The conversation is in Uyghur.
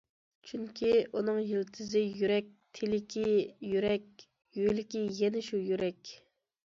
چۈنكى ئۇنىڭ يىلتىزى يۈرەك، تىلىكى يۈرەك، يۆلىكى يەنە شۇ يۈرەك.